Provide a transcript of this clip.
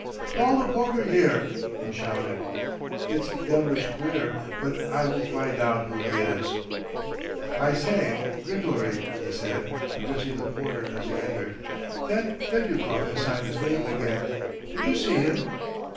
"Call the porter here!" he shouted. "It's devilish queer! But I will find out who he is!" "I say, Grigory," he said, addressing the porter as he entered, "that Fedyukov has signed his name again! Did you see him?"